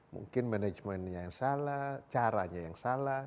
mungkin manajemennya yang salah caranya yang salah